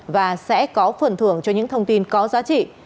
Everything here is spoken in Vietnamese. và sẽ có phần thưởng cho những thông tin có giá trị